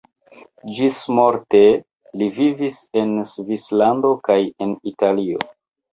Ĝismorte li vivis en Svislando kaj en Italio.